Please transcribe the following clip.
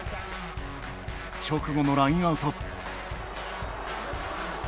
直後のラインアウト。